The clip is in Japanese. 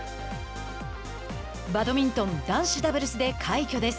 バドミントン男子ダブルスで快挙です。